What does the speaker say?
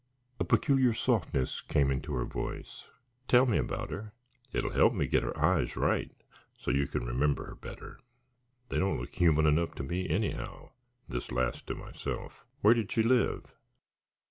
A peculiar softness came into her voice. "Tell me about her. It will help me get her eyes right, so you can remember her better. They don't look human enough to me anyhow" (this last to myself). "Where did she live?"